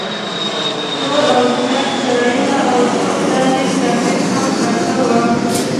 تور او شنه چایونه او څو دانې چاکلیټ هم پراته وو.